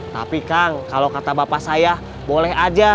tapi kang kalau kata bapak saya boleh aja